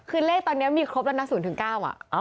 คือเลขตอนนี้มีครบแล้วนะ๐๙อ่ะ